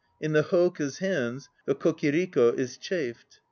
In the hoka's hands The kokiriko 2 is chafed.